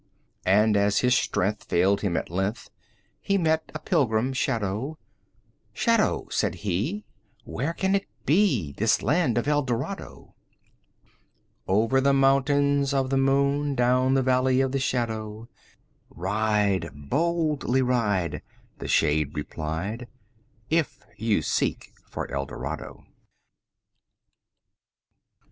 And, as his strength Failed him at length, He met a pilgrim shadow: 15 "Shadow," said he, "Where can it be, This land of Eldorado?" "Over the Mountains Of the Moon, 20 Down the Valley of the Shadow, Ride, boldly ride," The shade replied, "If you seek for Eldorado!"